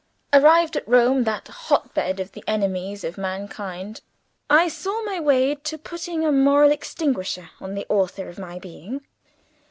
Arrived at Rome that hotbed of the enemies of mankind I saw my way to putting a moral extinguisher on the author of my being.